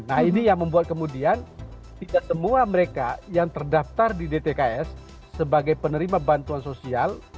nah ini yang membuat kemudian tidak semua mereka yang terdaftar di dtks sebagai penerima bantuan sosial